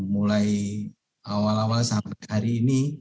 mulai awal awal sampai hari ini